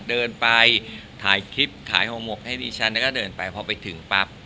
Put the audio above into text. เดินไปถ่ายคลิปขายห่อหมกให้ดิฉันแล้วก็เดินไปพอไปถึงปั๊บ